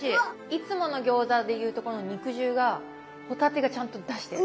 いつもの餃子でいうところの肉汁が帆立てがちゃんと出してる。